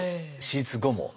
手術後も。